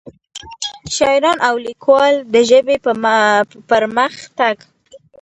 شاعران او ليکوال دَ ژبې پۀ پرمخ تګ